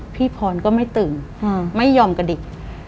พี่พรก็ไม่ตื่นไม่ยอมกระดิก